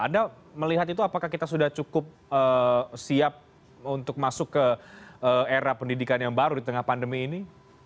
anda melihat itu apakah kita sudah cukup siap untuk masuk ke era pendidikan yang baru di tengah pandemi ini